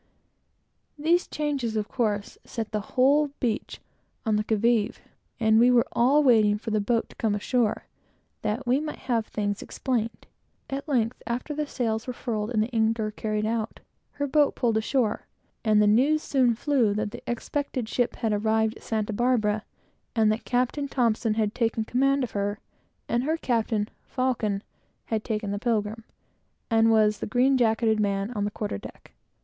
These changes, of course, set the whole beach on the qui vive, and we were all waiting for the boat to come ashore, that we might have things explained. At length, after the sails were furled and the anchor carried out, the boat pulled ashore, and the news soon flew that the expected ship had arrived at Santa Barbara, and that Captain T had taken command of her, and her captain, Faucon, had taken the Pilgrim, and was the green jacketed man on the quarter deck.